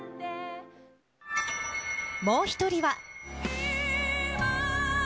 もう一人は。